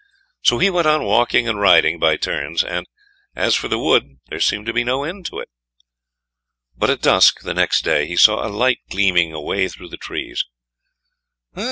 So he went on walking and riding by turns, and as for the wood there seemed to be no end to it. But at dusk the next day he saw a light gleaming away through the trees.